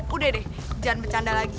udah deh jangan bercanda lagi